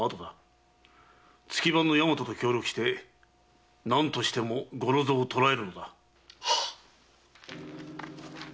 月番の大和と協力して何としても五六蔵を捕らえるのだ。